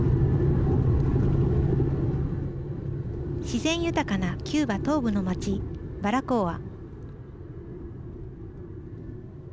自然豊かなキューバ東部の町バラコーア。